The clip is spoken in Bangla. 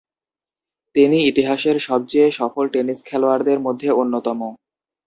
তিনি ইতিহাসের সবচেয়ে সফল টেনিস খেলোয়াড়দের মধ্যে অন্যতম।